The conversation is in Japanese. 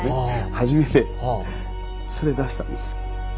初めてそれで出したんです。